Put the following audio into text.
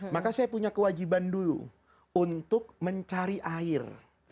maka saya punya kewajiban dulu untuk mencari air